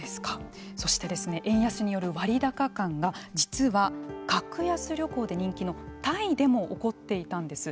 そして、円安による割高感が実は格安旅行で人気のタイでも起こっていたんです。